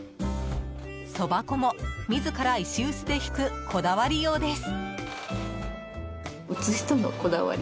そば粉も自ら石臼でひくこだわりようです。